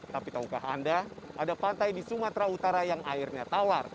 tapi tahukah anda ada pantai di sumatera utara yang airnya tawar